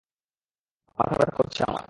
মাথা ব্যথা করছে আমার।